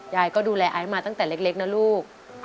ยายก็ดูแลไอซ์มาตั้งแต่เล็กนะลูก